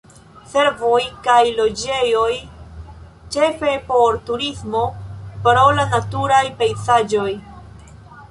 Servoj kaj loĝejoj ĉefe por turismo pro la naturaj pejzaĝoj.